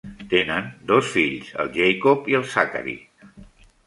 Tenen dos fills, el Jacob i el Zachary.